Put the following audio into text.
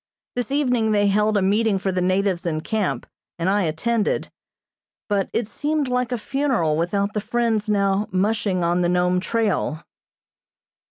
This evening they held a meeting for the natives in camp, and I attended, but it seemed like a funeral without the friends now "mushing" on the Nome trail.